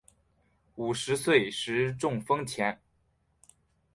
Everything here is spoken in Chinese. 五十岁时中风前